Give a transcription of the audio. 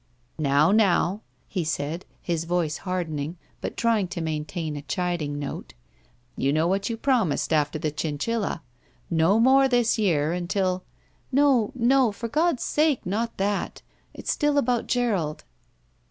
"Now, now," he said, his voice hardening but trying to maintain a chiding note; "you know what you promised after the chinchilla — ^no more this year until —" "No, no; for God's sake, not that! It's still about Gerald."